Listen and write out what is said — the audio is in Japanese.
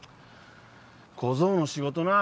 小僧の仕事なあ